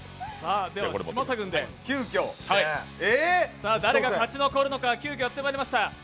では嶋佐軍で誰が勝ち残るのか急きょやってまいりました。